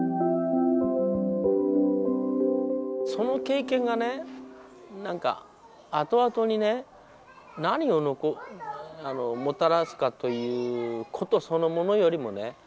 その経験がね何か後々にね何をもたらすかということそのものよりもね。